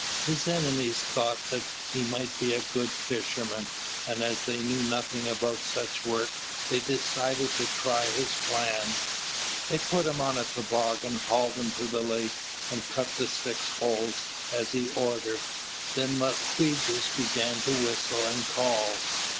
His enemies thought that he might be a good fisherman; and as they knew nothing about such work, they decided to try his plan. They put him on a toboggan, hauled him to the lake, and cut the six holes, as he ordered. Then Mawquejess began to whistle and call.